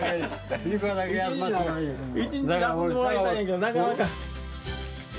一日休んでもらいたいんやけどなかなか。